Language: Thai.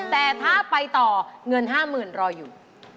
แต่ถ้าไปต่อเงิน๕๐๐๐รออยู่